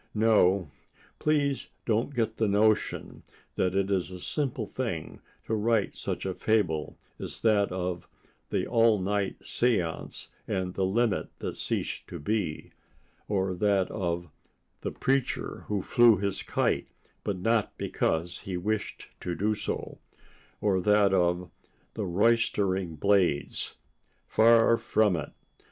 No; please don't get the notion that it is a simple thing to write such a fable as that of "The All Night Seance and the Limit That Ceased to Be," or that of "The Preacher Who Flew His Kite, But Not Because He Wished to Do So," or that of "The Roystering Blades." Far from it!